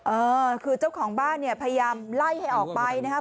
เออคือเจ้าของบ้านเนี่ยพยายามไล่ให้ออกไปนะครับ